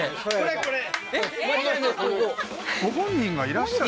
ご本人がいらっしゃる？